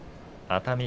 熱海